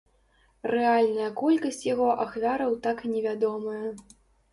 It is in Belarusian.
Рэальная колькасць яго ахвяраў так і невядомая.